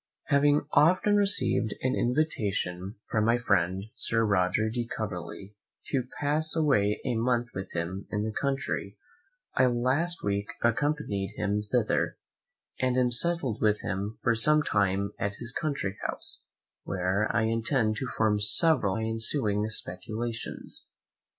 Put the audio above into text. Having often received an invitation from my friend Sir Roger de Coverley to pass away a month with him in the country, I last week accompanied him thither, and am settled with him for some time at his country house, where I intend to form several of my ensuing Speculations.